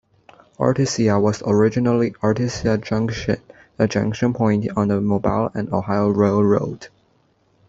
Artesia was originally "Artesia Junction", a junction point on the Mobile and Ohio Railroad.